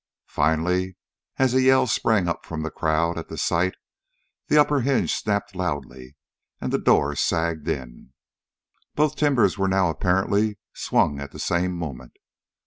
Finally, as a yell sprang up from the crowd at the sight, the upper hinge snapped loudly, and the door sagged in. Both timbers were now apparently swung at the same moment.